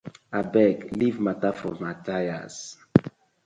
Abeg leave mata for Mathi.